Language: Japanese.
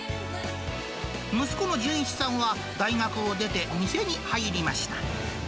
息子の純一さんは大学を出て、店に入りました。